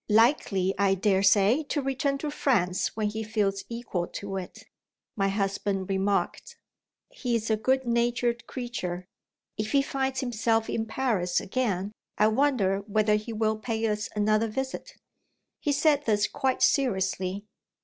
"Likely, I dare say, to return to France when he feels equal to it," my husband remarked. "He is a good natured creature. If he finds himself in Paris again, I wonder whether he will pay us another visit?" He said this quite seriously.